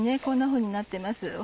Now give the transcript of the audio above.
こんなふうになってます